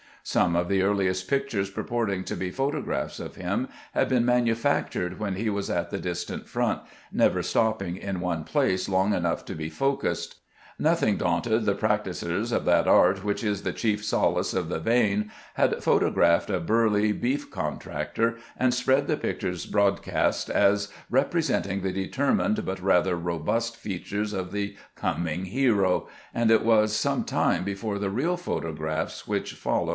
Some of the earliest pictures purporting to be photo graphs of him had been manufactured when he was at the distant front, never stopping in one place long enough to be " focused." Nothing daunted, the practis ers of that art which is the chief solace of the vain had photographed a burly beef contractor, and spread the pictures broadcast as representing the determined, but rather robust, features of the coming hero, and it was some time before the real photographs which followed officers in the service.